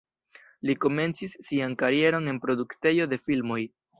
Li komencis sian karieron en produktejo de filmoj.